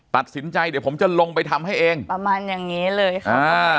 ตัดสินใจเดี๋ยวผมจะลงไปทำให้เองประมาณอย่างนี้เลยค่ะ